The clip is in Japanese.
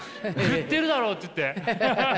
言ってるだろうって言って。